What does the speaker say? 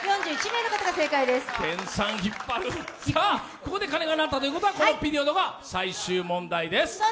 ここで鐘が鳴ったということはこのピリオドの最終問題です。